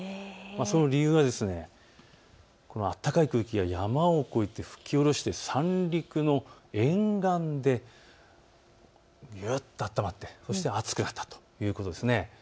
その理由がこちら、暖かい空気が山を越えて吹き降ろして三陸の沿岸でぐっと暖まって暑くなったということです。